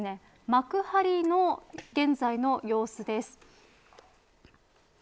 幕張の現在の様子です。